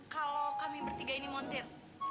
kalau kami bertiga ini montir